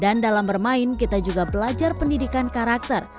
dan dalam bermain kita juga belajar pendidikan karakter